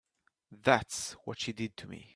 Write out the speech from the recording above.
That's what she did to me.